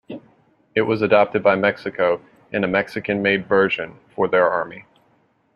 It was adopted by Mexico, in a Mexican-made version, for their army.